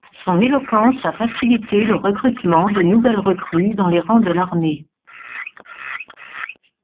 Son éloquence a facilité le recrutement de nouvelles recrues dans les rangs de l'armée.